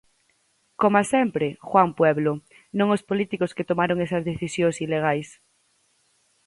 Coma sempre, Juan Pueblo, non os políticos que tomaron esas decisións ilegais.